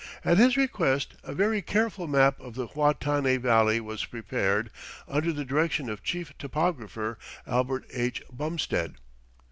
At his request a very careful map of the Huatanay Valley was prepared under the direction of Chief Topographer Albert H. Bumstead.